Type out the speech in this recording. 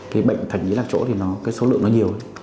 cái bệnh thạch nhĩ lạc chỗ thì cái số lượng nó nhiều